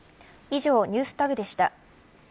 以上、ＮｅｗｓＴａｇでした。